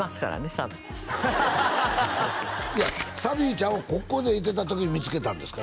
サヴィいやサヴィちゃんをここでいてた時に見つけたんですか？